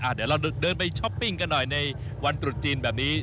เดี๋ยวเราเดินไปช้อปปิ้งกันหน่อยในวันตรุษจีนแบบนี้